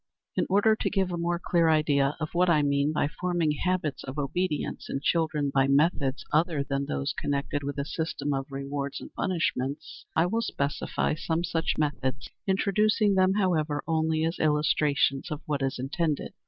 In order to give a more clear idea of what I mean by forming habits of obedience in children by methods other than those connected with a system of rewards and punishments, I will specify some such methods, introducing them, however, only as illustrations of what is intended.